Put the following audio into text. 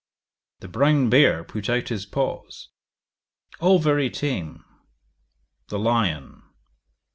The brown bear put out his paws; all very tame. The lion.